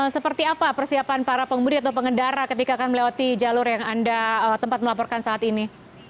seperti apa persiapan para pemudi atau pengendara ketika akan melewati jalur yang anda tempat melaporkan saat ini